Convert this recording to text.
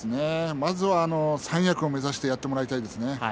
まずは三役を目指してやってもらいたいですね。